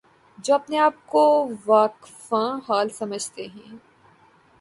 جو اپنے آپ کو واقفان حال سمجھتے ہیں۔